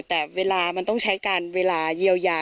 แต่เวลามันต้องใช้การเวลาเยียวยา